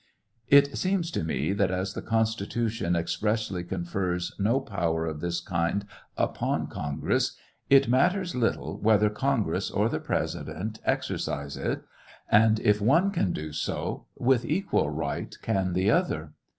It seems to me that, as the Constitution expresslj' confers no power of thi kind upon Congress, it matters little whether Congress or the President exercis it ; and if one can do so, with equal right can the other.